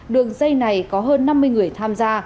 đường dây này có hơn năm mươi người tham gia